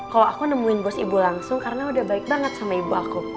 kalau aku nemuin bos ibu langsung karena udah baik banget sama ibu aku